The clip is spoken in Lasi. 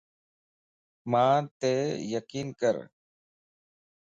مانتَ يقين ڪر